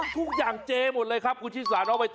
ทุกอย่างเจหมดเลยครับคุณชิคกี้พายเอาไปต่อ